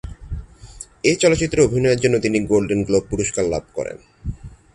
এই চলচ্চিত্রে অভিনয়ের জন্য তিনি গোল্ডেন গ্লোব পুরস্কার লাভ করেন।